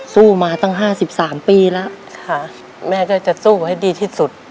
สู้มาตั้ง๕๓ปีแล้วแม่ก็จะสู้ให้ดีที่สุด